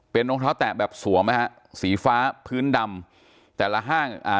เป็นรองเท้าแตะแบบสวมนะฮะสีฟ้าพื้นดำแต่ละห้างอ่า